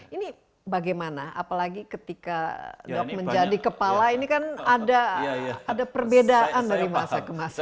ini bagaimana apalagi ketika dok menjadi kepala ini kan ada perbedaan dari masa ke masa